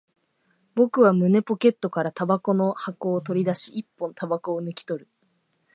僕は胸ポケットから煙草の箱を取り出し、一本煙草を抜き取る